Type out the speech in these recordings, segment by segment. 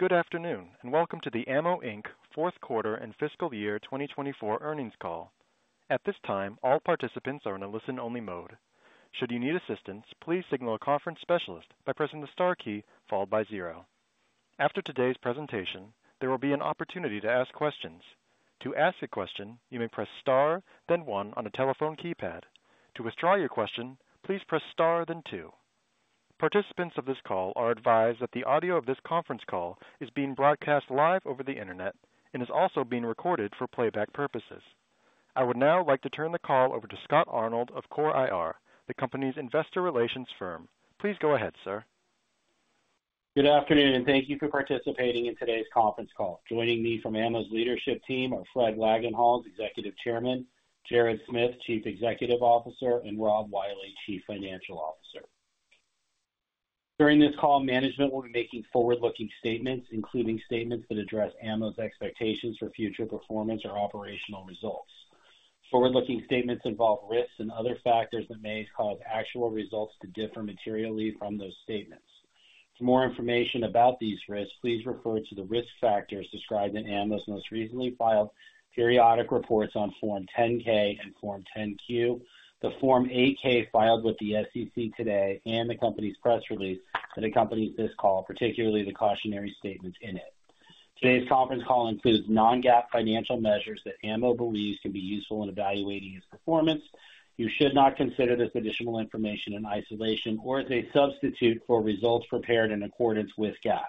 Hi, good afternoon, and welcome to AMMO Inc fourth quarter and fiscal year 2024 earnings call. At this time, all participants are in a listen-only mode. Should you need assistance, please signal a conference specialist by pressing the star key followed by zero. After today's presentation, there will be an opportunity to ask questions. To ask a question, you may press star, then one on a telephone keypad. To withdraw your question, please press star then two. Participants of this call are advised that the audio of this conference call is being broadcast live over the internet and is also being recorded for playback purposes. I would now like to turn the call over to Scott Arnold of CoreIR, the company's investor relations firm. Please go ahead, sir. Good afternoon, and thank you for participating in today's conference call. Joining me from Ammo's leadership team are Fred Wagenhals, Executive Chairman, Jared Smith, Chief Executive Officer, and Rob Wiley, Chief Financial Officer. During this call, management will be making forward-looking statements, including statements that address Ammo's expectations for future performance or operational results. Forward-looking statements involve risks and other factors that may cause actual results to differ materially from those statements. For more information about these risks, please refer to the risk factors described in Ammo's most recently filed periodic reports on Form 10-K and Form 10-Q, the Form 8-K filed with the SEC today, and the company's press release that accompanies this call, particularly the cautionary statements in it. Today's conference call includes non-GAAP financial measures that Ammo believes can be useful in evaluating its performance. You should not consider this additional information in isolation or as a substitute for results prepared in accordance with GAAP.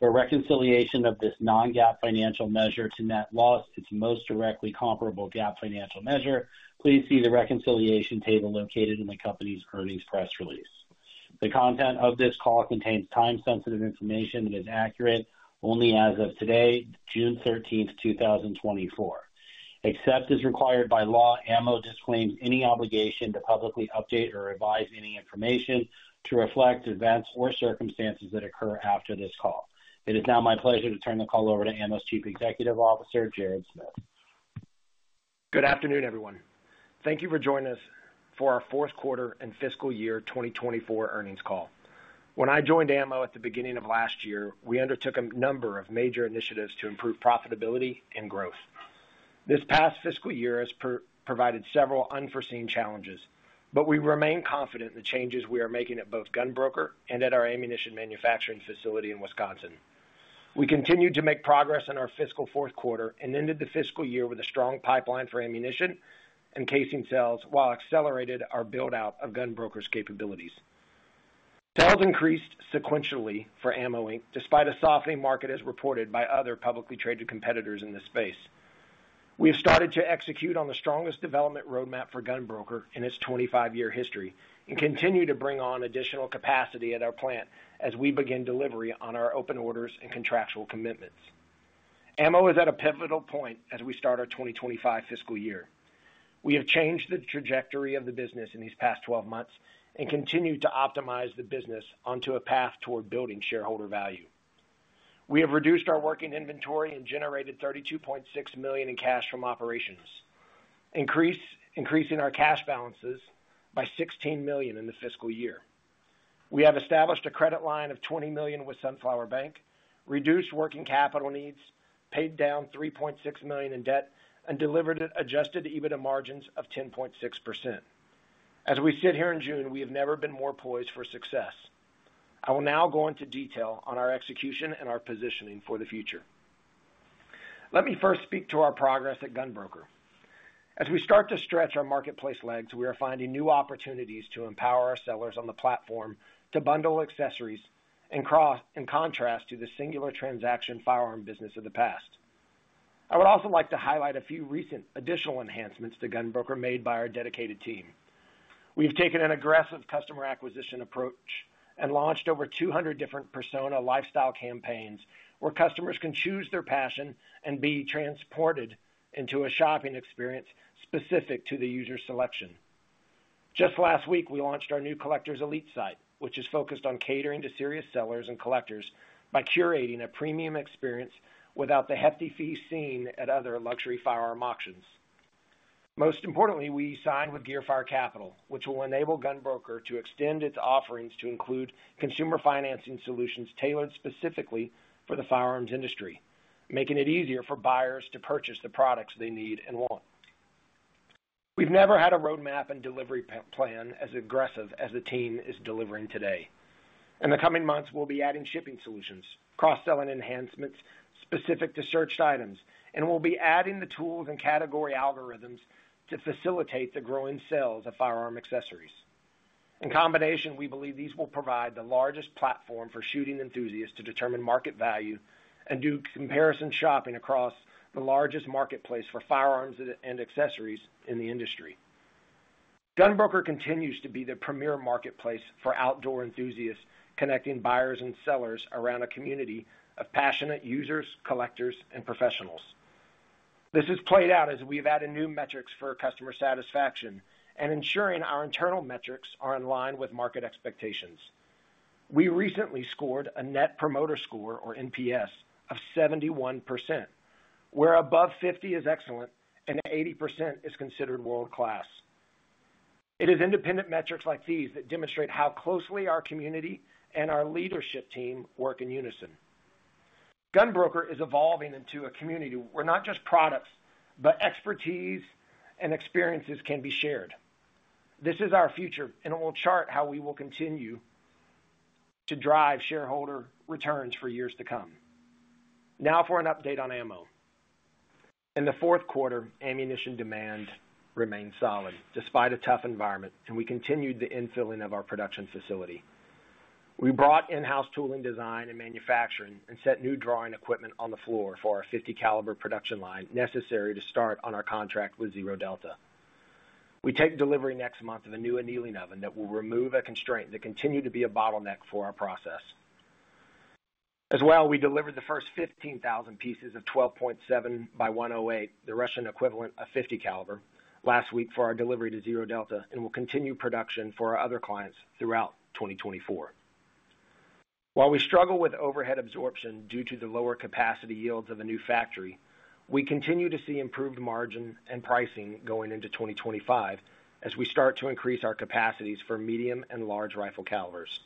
For a reconciliation of this non-GAAP financial measure to net loss, its most directly comparable GAAP financial measure, please see the reconciliation table located in the company's earnings press release. The content of this call contains time-sensitive information that is accurate only as of today, June 13th, 2024. Except as required by law, Ammo disclaims any obligation to publicly update or revise any information to reflect events or circumstances that occur after this call. It is now my pleasure to turn the call over to Ammo's Chief Executive Officer, Jared Smith. Good afternoon, everyone. Thank you for joining us for our fourth quarter and fiscal year 2024 earnings call. When I joined Ammo at the beginning of last year, we undertook a number of major initiatives to improve profitability and growth. This past fiscal year has provided several unforeseen challenges, but we remain confident in the changes we are making at both GunBroker and at our ammunition manufacturing facility in Wisconsin. We continued to make progress in our fiscal fourth quarter and ended the fiscal year with a strong pipeline for ammunition and casing sales, while accelerated our build-out of GunBroker's capabilities. Sales increased sequentially for AMMO Inc, despite a softening market as reported by other publicly traded competitors in this space. We have started to execute on the strongest development roadmap for GunBroker in its 25-year history and continue to bring on additional capacity at our plant as we begin delivery on our open orders and contractual commitments. Ammo is at a pivotal point as we start our 2025 fiscal year. We have changed the trajectory of the business in these past 12 months and continued to optimize the business onto a path toward building shareholder value. We have reduced our working inventory and generated $32.6 million in cash from operations, increasing our cash balances by $16 million in the fiscal year. We have established a credit line of $20 million with Sunflower Bank, reduced working capital needs, paid down $3.6 million in debt, and delivered its adjusted EBITDA margins of 10.6%. As we sit here in June, we have never been more poised for success. I will now go into detail on our execution and our positioning for the future. Let me first speak to our progress at GunBroker. As we start to stretch our marketplace legs, we are finding new opportunities to empower our sellers on the platform to bundle accessories in contrast to the singular transaction firearm business of the past. I would also like to highlight a few recent additional enhancements to GunBroker made by our dedicated team. We've taken an aggressive customer acquisition approach and launched over 200 different persona lifestyle campaigns, where customers can choose their passion and be transported into a shopping experience specific to the user's selection. Just last week, we launched our new Collector's Elite site, which is focused on catering to serious sellers and collectors by curating a premium experience without the hefty fees seen at other luxury firearm auctions. Most importantly, we signed with Gearfire Capital, which will enable GunBroker to extend its offerings to include consumer financing solutions tailored specifically for the firearms industry, making it easier for buyers to purchase the products they need and want. We've never had a roadmap and delivery plan as aggressive as the team is delivering today. In the coming months, we'll be adding shipping solutions, cross-selling enhancements specific to searched items, and we'll be adding the tools and category algorithms to facilitate the growing sales of firearm accessories. In combination, we believe these will provide the largest platform for shooting enthusiasts to determine market value and do comparison shopping across the largest marketplace for firearms and accessories in the industry. GunBroker continues to be the premier marketplace for outdoor enthusiasts, connecting buyers and sellers around a community of passionate users, collectors, and professionals. This has played out as we've added new metrics for customer satisfaction and ensuring our internal metrics are in line with market expectations. We recently scored a Net Promoter Score, or NPS, of 71%, where above 50 is excellent and 80% is considered world-class. It is independent metrics like these that demonstrate how closely our community and our leadership team work in unison. GunBroker is evolving into a community where not just products, but expertise and experiences can be shared. This is our future, and it will chart how we will continue to drive shareholder returns for years to come. Now for an update on ammo. In the fourth quarter, ammunition demand remained solid despite a tough environment, and we continued the infilling of our production facility. We brought in-house tooling, design, and manufacturing, and set new drawing equipment on the floor for our .50 caliber production line, necessary to start on our contract with ZRODelta. We take delivery next month of a new annealing oven that will remove a constraint that continued to be a bottleneck for our process. As well, we delivered the first 15,000 pieces of 12.7x108mm, the Russian equivalent of .50 caliber, last week for our delivery to ZRODelta, and will continue production for our other clients throughout 2024. While we struggle with overhead absorption due to the lower capacity yields of a new factory, we continue to see improved margin and pricing going into 2025 as we start to increase our capacities for medium and large rifle calibers.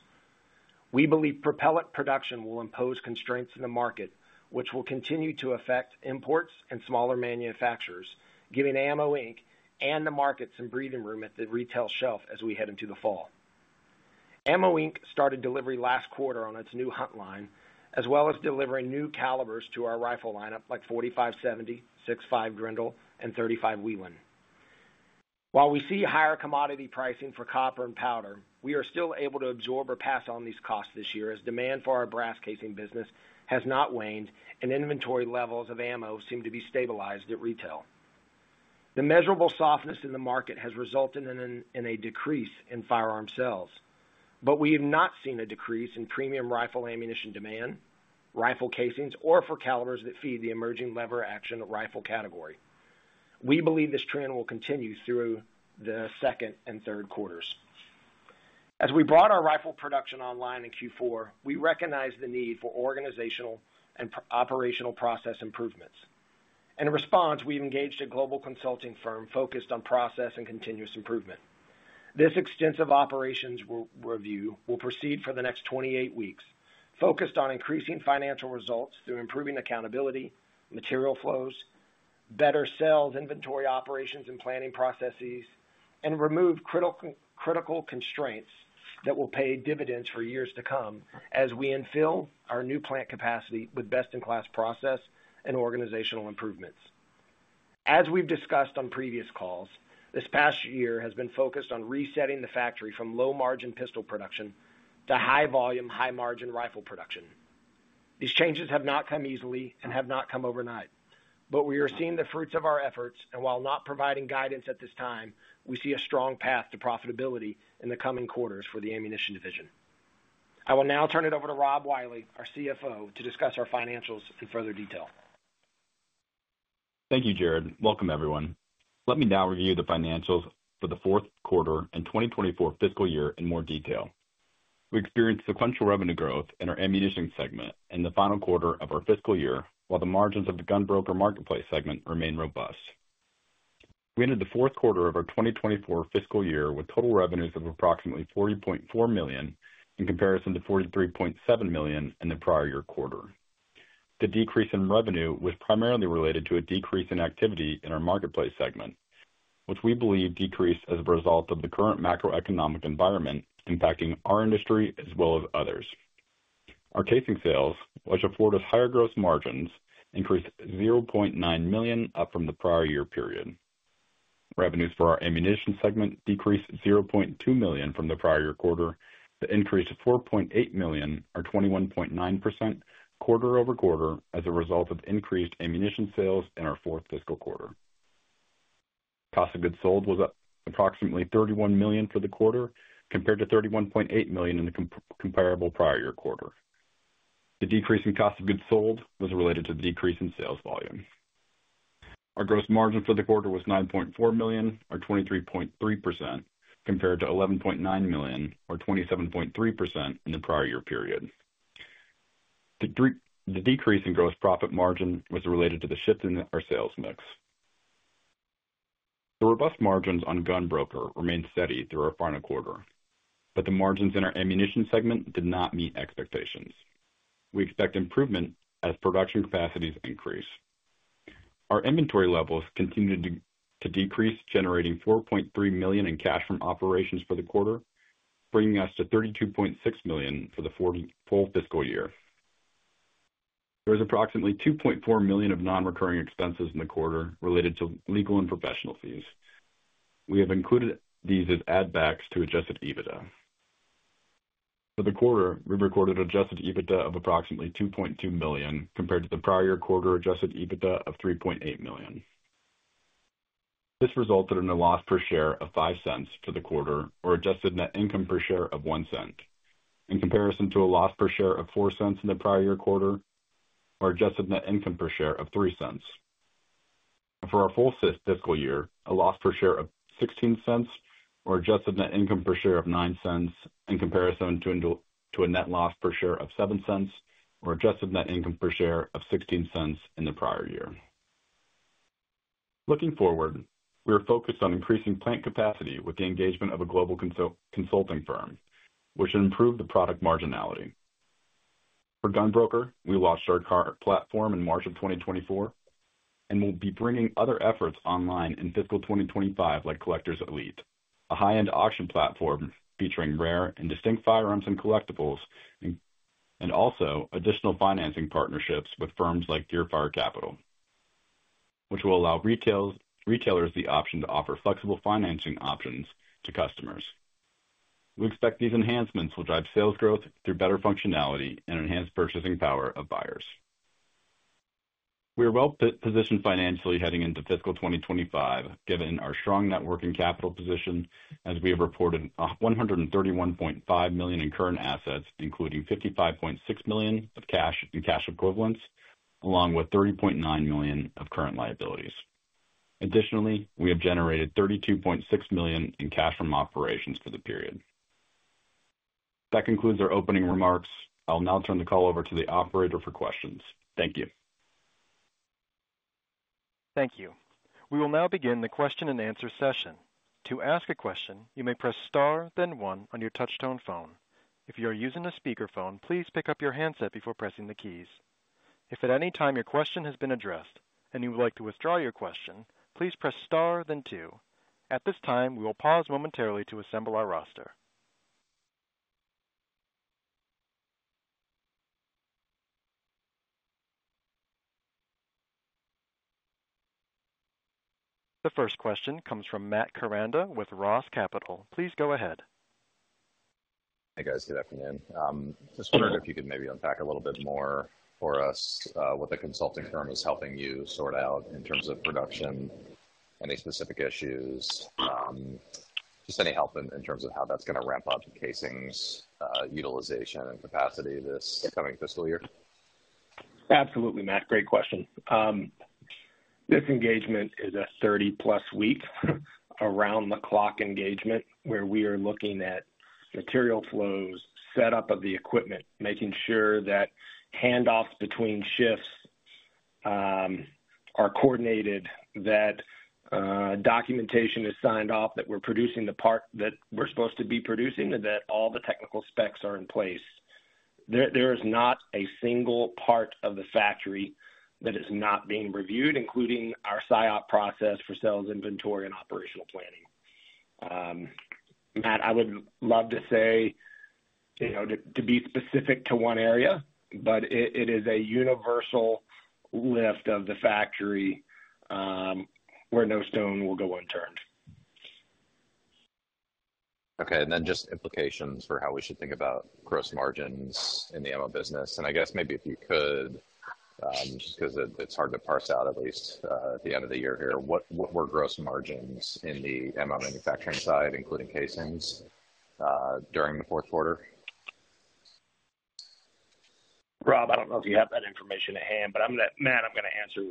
We believe propellant production will impose constraints in the market, which will continue to affect imports and smaller manufacturers, giving AMMO Inc and the market some breathing room at the retail shelf as we head into the fall. AMMO Inc started delivery last quarter on its new Hunt Line, as well as delivering new calibers to our rifle lineup, like .45-70, 6.5 Grendel, and .35 Whelen. While we see higher commodity pricing for copper and powder, we are still able to absorb or pass on these costs this year, as demand for our brass casing business has not waned and inventory levels of ammo seem to be stabilized at retail. The measurable softness in the market has resulted in a decrease in firearm sales, but we have not seen a decrease in premium rifle ammunition demand, rifle casings, or for calibers that feed the emerging lever action rifle category. We believe this trend will continue through the second and third quarters. As we brought our rifle production online in Q4, we recognized the need for organizational and operational process improvements. In response, we've engaged a global consulting firm focused on process and continuous improvement. This extensive operations re-review will proceed for the next 28 weeks, focused on increasing financial results through improving accountability, material flows, better sales, inventory, operations, and planning processes, and remove critical, critical constraints that will pay dividends for years to come as we infill our new plant capacity with best-in-class process and organizational improvements. As we've discussed on previous calls, this past year has been focused on resetting the factory from low-margin pistol production to high-volume, high-margin rifle production. These changes have not come easily and have not come overnight, but we are seeing the fruits of our efforts, and while not providing guidance at this time, we see a strong path to profitability in the coming quarters for the ammunition division. I will now turn it over to Rob Wiley, our CFO, to discuss our financials in further detail. Thank you, Jared. Welcome, everyone. Let me now review the financials for the fourth quarter and 2024 fiscal year in more detail. We experienced sequential revenue growth in our ammunition segment in the final quarter of our fiscal year, while the margins of the GunBroker Marketplace segment remained robust. We ended the fourth quarter of our 2024 fiscal year with total revenues of approximately $40.4 million, in comparison to $43.7 million in the prior year quarter. The decrease in revenue was primarily related to a decrease in activity in our marketplace segment, which we believe decreased as a result of the current macroeconomic environment impacting our industry as well as others. Our casing sales, which afford us higher gross margins, increased $0.9 million, up from the prior year period. Revenues for our ammunition segment decreased $0.2 million from the prior quarter, to increase of $4.8 million, or 21.9% quarter-over-quarter, as a result of increased ammunition sales in our fourth fiscal quarter. Cost of goods sold was approximately $31 million for the quarter, compared to $31.8 million in the comparable prior year quarter. The decrease in cost of goods sold was related to the decrease in sales volume. Our gross margin for the quarter was $9.4 million, or 23.3%, compared to $11.9 million, or 27.3% in the prior year period. The decrease in gross profit margin was related to the shift in our sales mix. The robust margins on GunBroker remained steady through our final quarter, but the margins in our ammunition segment did not meet expectations. We expect improvement as production capacities increase. Our inventory levels continued to decrease, generating $4.3 million in cash from operations for the quarter, bringing us to $32.6 million for the full fiscal year. There was approximately $2.4 million of non-recurring expenses in the quarter related to legal and professional fees. We have included these as add backs to adjusted EBITDA. For the quarter, we recorded adjusted EBITDA of approximately $2.2 million, compared to the prior year quarter adjusted EBITDA of $3.8 million. This resulted in a loss per share of $0.05 for the quarter, or adjusted net income per share of $0.01, in comparison to a loss per share of $0.04 in the prior year quarter, or adjusted net income per share of $0.03. For our full fiscal year, a loss per share of $0.16 or adjusted net income per share of $0.09, in comparison to a net loss per share of $0.07 or adjusted net income per share of $0.16 in the prior year. Looking forward, we are focused on increasing plant capacity with the engagement of a global consulting firm, which will improve the product marginality. For GunBroker, we launched our cart platform in March of 2024, and we'll be bringing other efforts online in fiscal 2025, like Collector's Elite, a high-end auction platform featuring rare and distinct firearms and collectibles, and also additional financing partnerships with firms like Gearfire Capital, which will allow retailers the option to offer flexible financing options to customers. We expect these enhancements will drive sales growth through better functionality and enhanced purchasing power of buyers. We are well positioned financially heading into fiscal 2025, given our strong net working capital position, as we have reported, $131.5 million in current assets, including $55.6 million of cash and cash equivalents, along with $30.9 million of current liabilities. Additionally, we have generated $32.6 million in cash from operations for the period. That concludes our opening remarks. I'll now turn the call over to the operator for questions. Thank you. Thank you. We will now begin the question-and-answer session. To ask a question, you may press star, then one on your touch-tone phone. If you are using a speakerphone, please pick up your handset before pressing the keys. If at any time your question has been addressed and you would like to withdraw your question, please press star then two. At this time, we will pause momentarily to assemble our roster. The first question comes from Matt Koranda with ROTH Capital. Please go ahead. Hey, guys. Good afternoon. Just wondering if you could maybe unpack a little bit more for us, what the consulting firm is helping you sort out in terms of production, any specific issues, just any help in terms of how that's going to ramp up casings, utilization and capacity this coming fiscal year? Absolutely, Matt. Great question. This engagement is a 30-plus week, around-the-clock engagement where we are looking at material flows, setup of the equipment, making sure that handoffs between shifts are coordinated, that documentation is signed off, that we're producing the part that we're supposed to be producing, and that all the technical specs are in place. There is not a single part of the factory that is not being reviewed, including our SIOP process for sales, inventory, and operational planning. Matt, I would love to say, you know, to be specific to one area, but it is a universal lift of the factory, where no stone will go unturned. Okay, and then just implications for how we should think about gross margins in the ammo business. And I guess maybe if you could, just because it, it's hard to parse out, at least, at the end of the year here, what were gross margins in the ammo manufacturing side, including casings, during the fourth quarter? Rob, I don't know if you have that information at hand, but I'm gonna, Matt, I'm gonna answer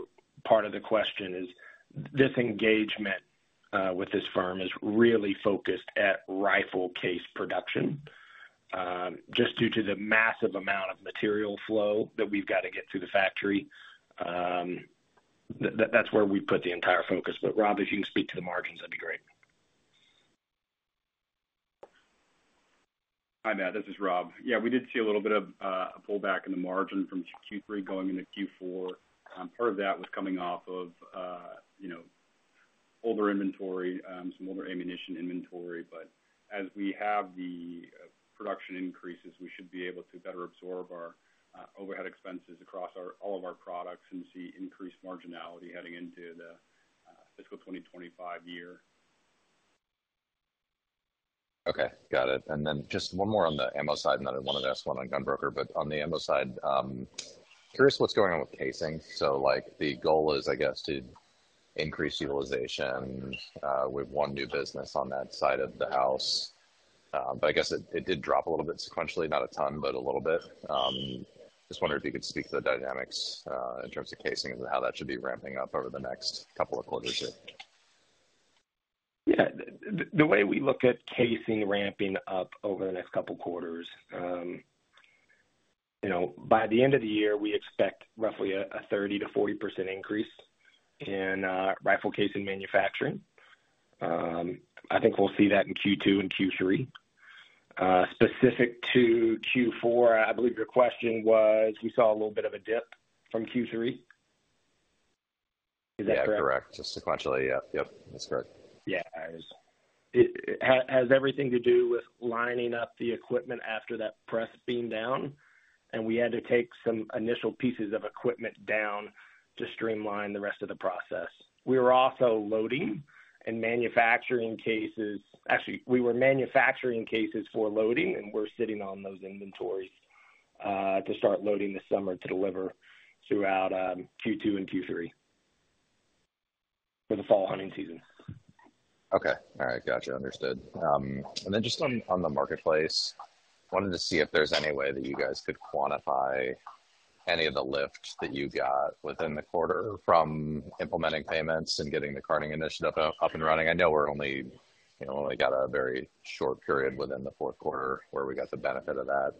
part of the question is, this engagement with this firm is really focused at rifle case production, just due to the massive amount of material flow that we've got to get through the factory. That's where we put the entire focus. But, Rob, if you can speak to the margins, that'd be great. Hi, Matt, this is Rob. Yeah, we did see a little bit of a pullback in the margin from Q3 going into Q4. Part of that was coming off of, you know, older inventory, some older ammunition inventory, but as we have the production increases, we should be able to better absorb our overhead expenses across our-- all of our products and see increased marginality heading into the fiscal 2025 year. Okay, got it. And then just one more on the ammo side, and then I wanted to ask one on GunBroker. But on the ammo side, curious what's going on with casing. So, like, the goal is, I guess, to increase utilization with one new business on that side of the house. But I guess it did drop a little bit sequentially, not a ton, but a little bit. Just wondering if you could speak to the dynamics in terms of casings and how that should be ramping up over the next couple of quarters here. Yeah, the way we look at casing ramping up over the next couple of quarters, you know, by the end of the year, we expect roughly a 30%-40% increase in rifle casing manufacturing. I think we'll see that in Q2 and Q3. Specific to Q4, I believe your question was, you saw a little bit of a dip from Q3. Is that correct? Yeah, correct. Just sequentially, yeah. Yep, that's correct. Yeah. It has everything to do with lining up the equipment after that press being down, and we had to take some initial pieces of equipment down to streamline the rest of the process. We were also loading and manufacturing cases. Actually, we were manufacturing cases for loading, and we're sitting on those inventories to start loading this summer to deliver throughout Q2 and Q3 for the fall hunting season. Okay. All right. Gotcha. Understood. And then just on the marketplace, wanted to see if there's any way that you guys could quantify any of the lift that you got within the quarter from implementing payments and getting the carting initiative up and running. I know we're only, you know, only got a very short period within the fourth quarter where we got the benefit of that,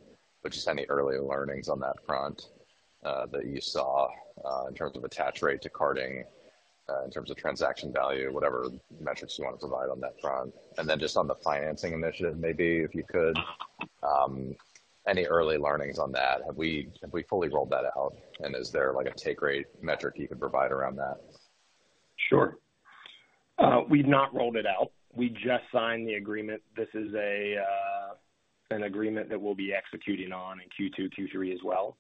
but just any early learnings on that front, that you saw in terms of attach rate to carting? In terms of transaction value, whatever metrics you want to provide on that front, and then just on the financing initiative, maybe if you could any early learnings on that? Have we fully rolled that out, and is there, like, a take rate metric you could provide around that? Sure. We've not rolled it out. We just signed the agreement. This is a, an agreement that we'll be executing on in Q2, Q3 as well.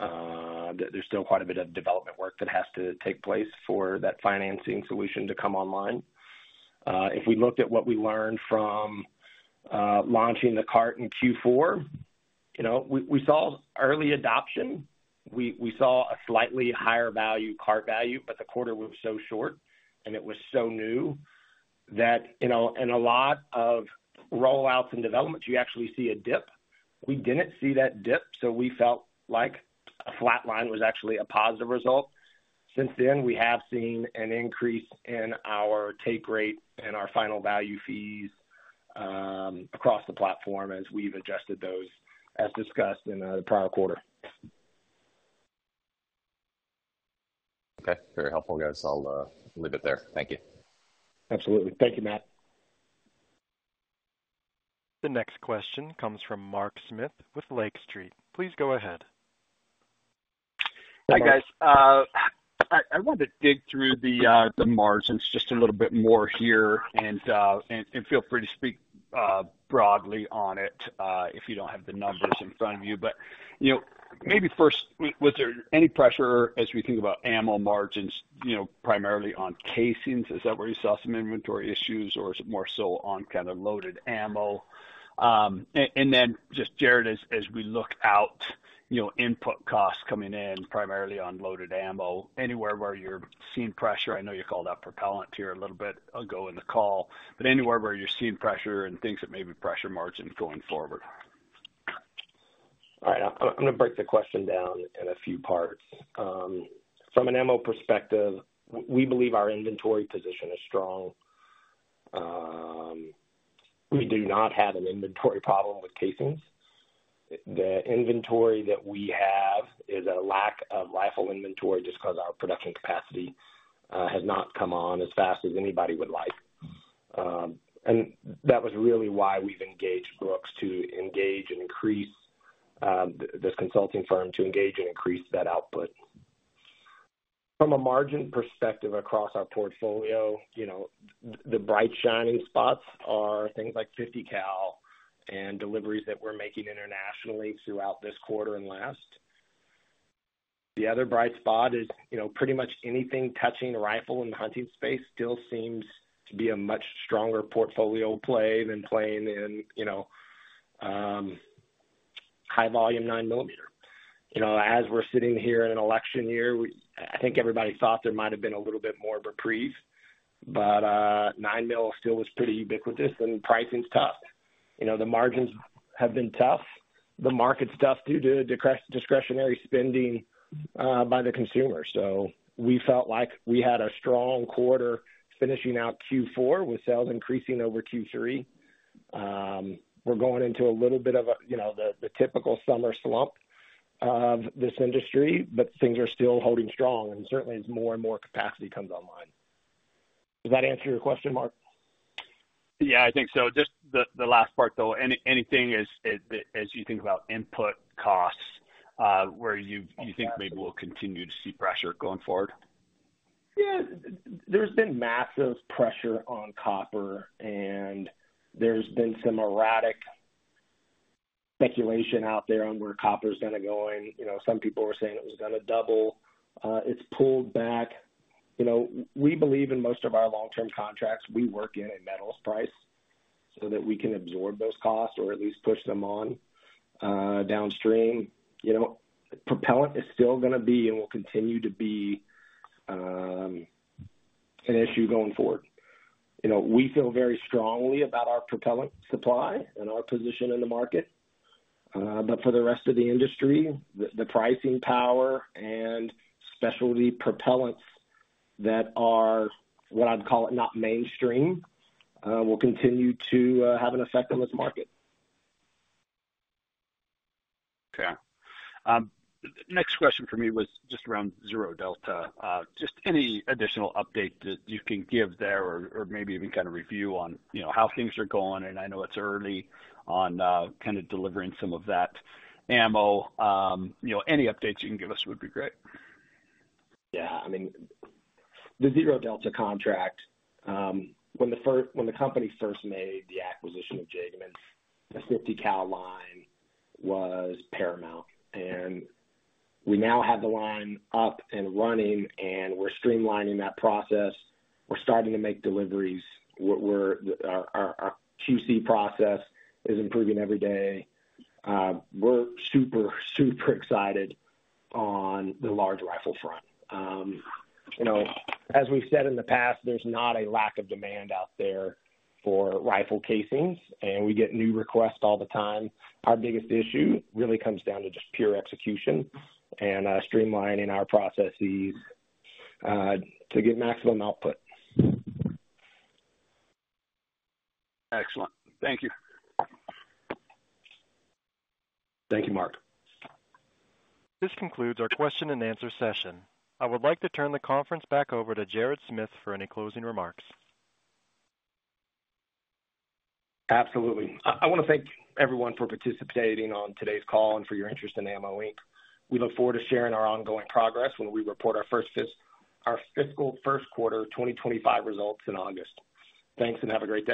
There's still quite a bit of development work that has to take place for that financing solution to come online. If we looked at what we learned from launching the cart in Q4, you know, we saw early adoption. We saw a slightly higher value, cart value, but the quarter was so short, and it was so new that, you know, in a lot of rollouts and developments, you actually see a dip. We didn't see that dip, so we felt like a flat line was actually a positive result. Since then, we have seen an increase in our take rate and our final value fees across the platform as we've adjusted those, as discussed in the prior quarter. Okay, very helpful, guys. I'll leave it there. Thank you. Absolutely. Thank you, Matt. The next question comes from Mark Smith with Lake Street. Please go ahead. Hi, guys. I wanted to dig through the margins just a little bit more here, and feel free to speak broadly on it if you don't have the numbers in front of you. But, you know, maybe first, was there any pressure as we think about ammo margins, you know, primarily on casings? Is that where you saw some inventory issues, or is it more so on kind of loaded ammo? And then just, Jared, as we look out, you know, input costs coming in, primarily on loaded ammo, anywhere where you're seeing pressure. I know you called out propellant here a little bit ago in the call, but anywhere where you're seeing pressure and things that may be pressure margins going forward. All right, I'm going to break the question down in a few parts. From an ammo perspective, we believe our inventory position is strong. We do not have an inventory problem with casings. The inventory that we have is a lack of rifle inventory, just because our production capacity has not come on as fast as anybody would like. And that was really why we've engaged Brooks to engage and increase this consulting firm to engage and increase that output. From a margin perspective, across our portfolio, you know, the bright, shining spots are things like .50 cal and deliveries that we're making internationally throughout this quarter and last. The other bright spot is, you know, pretty much anything touching a rifle in the hunting space still seems to be a much stronger portfolio play than playing in, you know, high volume nine millimeter. You know, as we're sitting here in an election year, I think everybody thought there might have been a little bit more reprieve, but nine mil still is pretty ubiquitous and pricing's tough. You know, the margins have been tough. The market's tough due to discretionary spending by the consumer. So we felt like we had a strong quarter finishing out Q4, with sales increasing over Q3. We're going into a little bit of a, you know, the typical summer slump of this industry, but things are still holding strong and certainly as more and more capacity comes online. Does that answer your question, Mark? Yeah, I think so. Just the last part, though. Anything as you think about input costs, where you think maybe we'll continue to see pressure going forward? Yeah. There's been massive pressure on copper, and there's been some erratic speculation out there on where copper's going to go. And, you know, some people were saying it was going to double, it's pulled back. You know, we believe in most of our long-term contracts, we work in a metals price so that we can absorb those costs or at least push them on, downstream. You know, propellant is still going to be and will continue to be, an issue going forward. You know, we feel very strongly about our propellant supply and our position in the market. But for the rest of the industry, the pricing power and specialty propellants that are, what I'd call it, not mainstream, will continue to have an effect on this market. Okay. Next question for me was just around ZRODelta. Just any additional update that you can give there or maybe even kind of review on, you know, how things are going, and I know it's early on, kind of delivering some of that ammo. You know, any updates you can give us would be great. Yeah. I mean, the ZRODelta contract, when the company first made the acquisition of Jagemann, the .50 cal line was paramount, and we now have the line up and running, and we're streamlining that process. We're starting to make deliveries. Our QC process is improving every day. We're super, super excited on the large rifle front. You know, as we've said in the past, there's not a lack of demand out there for rifle casings, and we get new requests all the time. Our biggest issue really comes down to just pure execution and, streamlining our processes, to get maximum output. Excellent. Thank you. Thank you, Mark. This concludes our question-and-answer session. I would like to turn the conference back over to Jared Smith for any closing remarks. Absolutely. I want to thank everyone for participating on today's call and for your interest AMMO Inc we look forward to sharing our ongoing progress when we report our fiscal first quarter 2025 results in August. Thanks, and have a great day.